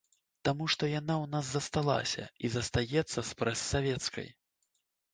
Таму што яна ў нас засталася і застаецца спрэс савецкай.